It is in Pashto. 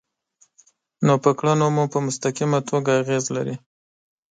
نو پر کړنو مو په مستقیمه توګه اغیز لري.